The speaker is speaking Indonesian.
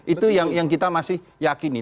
itu yang kita masih yakini